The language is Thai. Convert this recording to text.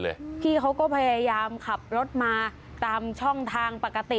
พี่เขาก็พยายามขับรถมาตามช่องทางปกติ